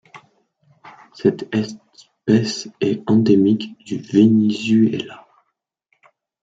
Cette espèce est endémique du Venezuela.